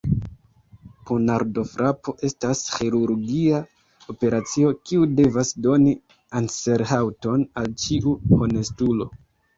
Ponardofrapo estas ĥirurgia operacio, kiu devas doni anserhaŭton al ĉiu honestulo.